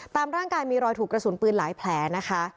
ตามร่างกายมีรอยถูกกระสุนปืนหลายแผลนะคะ